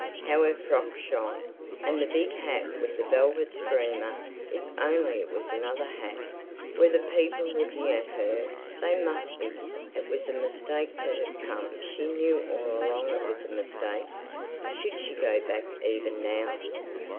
How her frock shone! And the big hat with the velvet streamer—if only it was another hat! Were the people looking at her? They must be. It was a mistake to have come; she knew all along it was a mistake. Should she go back even now?